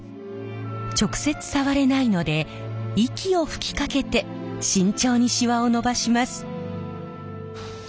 直接触れないので息を吹きかけて慎重にシワをのばします。